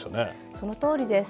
そのとおりです。